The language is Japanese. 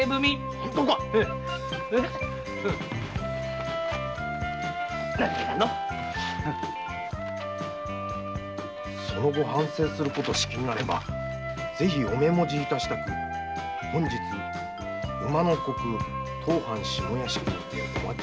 本当か⁉「その後反省することしきりなれば是非お目もじ致したく本日午の刻当藩下屋敷にてお待ち申し候」